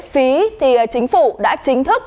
phí thì chính phủ đã chính thức